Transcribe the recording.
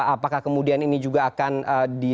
apakah kemudian ini juga akan di